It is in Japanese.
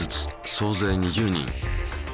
総勢２０人。